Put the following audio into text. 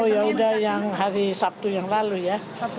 oh yaudah yang hari sabtu yang lalu ya